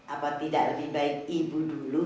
apa tidak lebih baik ibu dulu